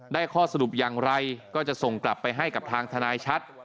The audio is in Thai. ข้อสรุปอย่างไรก็จะส่งกลับไปให้กับทางทนายชัด